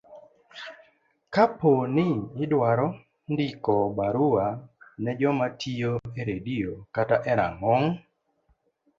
Kapo ni idwaro ndiko barua ne joma tiyo e redio kata e rang'ong